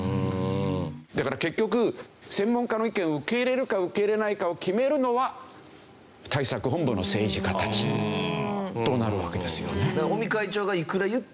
だから結局専門家の意見を受け入れるか受け入れないかを決めるのは対策本部の政治家たちとなるわけですよね。